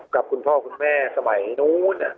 คุณพ่อคุณแม่สมัยนู้น